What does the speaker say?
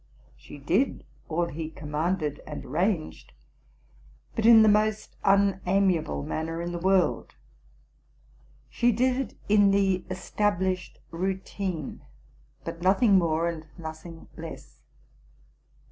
She did all he commanded and arranged, but in the most unamiable man ner in the world. She did it in the established routine, but nothing more and nothing less.